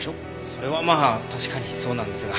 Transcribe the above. それはまあ確かにそうなんですが。